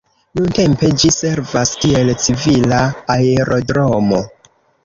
Nuntempe ĝi servas kiel civila aerodromo.